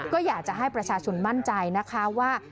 ก็อยากจะให้ประชาชนมั่นใจนะคะว่า